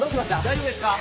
⁉大丈夫ですか？